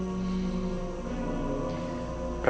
persaksikan tanda baktiku